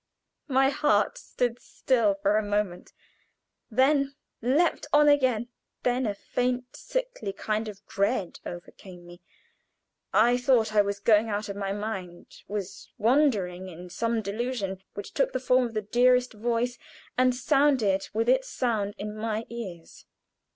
My heart stood still for a moment, then leaped on again. Then a faint, sickly kind of dread overcame me. I thought I was going out of my mind was wandering in some delusion, which took the form of the dearest voice, and sounded with its sound in my ears.